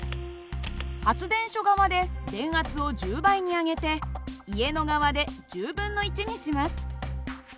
発電所側で電圧を１０倍に上げて家の側で１０分の１にします。